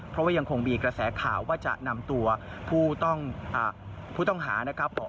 เพราะว่ายังคงมีกระแสข่าวว่าจะนำตัวผู้ต้องหานะครับ